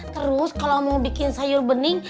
terus kalau mau bikin sayur bening